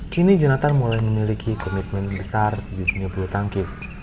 kini jonathan mulai memiliki komitmen besar di dunia bulu tangkis